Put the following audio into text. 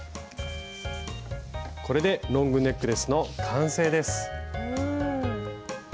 これでロングネックレスの完成です！